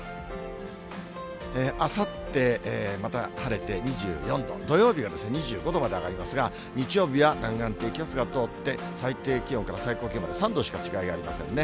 あさって、また晴れて２４度、土曜日は２５度まで上がりますが、日曜日は南岸低気圧が通って、最低気温から最高気温まで３度しか違いありませんね。